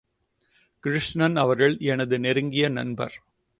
கிருஷ்ணன் அவர்கள் எனது நெருங்கிய நண்பர்.